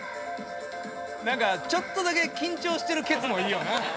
なんかちょっとだけ緊張してるケツもいいよな。